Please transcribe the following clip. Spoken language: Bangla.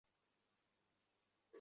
তাহলেই ইন্সটাগ্রামে আরও বেশি লাইক পাবো।